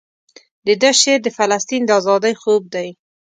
دده شعر د فلسطین د ازادۍ خوب دی.